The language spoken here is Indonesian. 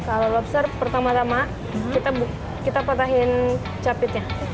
kalau lobster pertama tama kita patahin capitnya